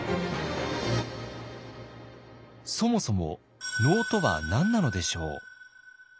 そもそも能とは何なのでしょう？